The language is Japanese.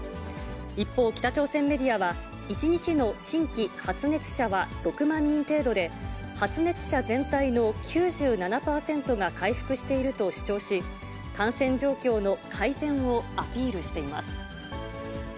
一方、北朝鮮メディアは、１日の新規発熱者は６万人程度で、発熱者全体の９７％が回復していると主張し、感染状況の改善をアピールしています。